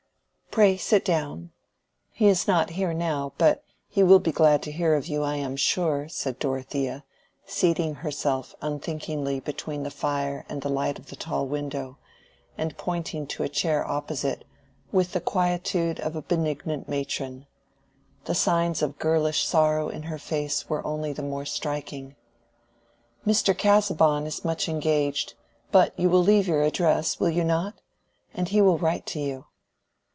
"Pray sit down. He is not here now, but he will be glad to hear of you, I am sure," said Dorothea, seating herself unthinkingly between the fire and the light of the tall window, and pointing to a chair opposite, with the quietude of a benignant matron. The signs of girlish sorrow in her face were only the more striking. "Mr. Casaubon is much engaged; but you will leave your address—will you not?—and he will write to you."